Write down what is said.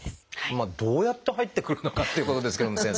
どうやって入ってくるのかっていうことですけども先生。